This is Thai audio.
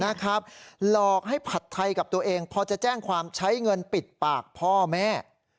หลอกให้ผัดไทยกับตัวเองพอจะแจ้งความใช้เงินปิดปากพ่อแม่